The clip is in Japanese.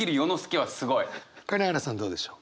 金原さんどうでしょう？